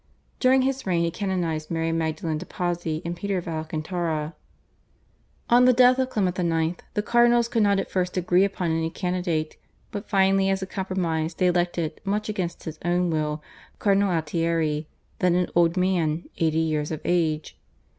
During his reign he canonised Mary Magdalen de Pazzi, and Peter of Alcantara. On the death of Clement IX. the cardinals could not at first agree upon any candidate, but finally as a compromise they elected, much against his own will, Cardinal Altieri, then an old man eighty years of age.